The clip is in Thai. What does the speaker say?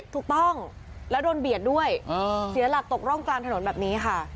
ถูกต้องแล้วโดนเบียดด้วยเสียหลักตกร่องกลางถนนแบบนี้ค่ะ